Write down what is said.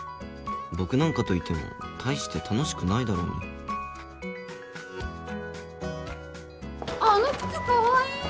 僕なんかといても大して楽しくないだろうにあっあの靴かわいい！